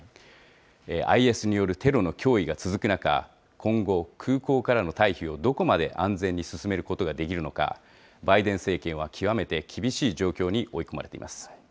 ＩＳによるテロの脅威が続く中、今後、空港からの退避をどこまで安全に進めることができるのか、バイデン政権は極めて厳しい状況に追い込まれています。